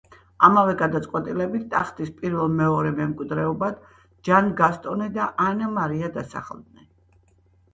ამავე გადაწყვეტილებით, ტახტის პირველ-მეორე მემკვიდრეებად ჯან გასტონე და ანა მარია დასახელდნენ.